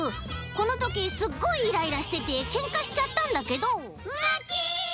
このときすっごいイライラしててけんかしちゃったんだけどムキ！